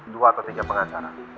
dua atau tiga pengacara